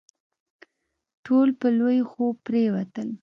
ټول په لوی خوب پرېوتل.